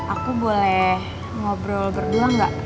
aku boleh ngobrol berdua gak